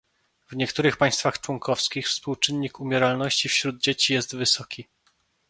W niektórych państwach członkowskich współczynnik umieralności wśród dzieci jest wysoki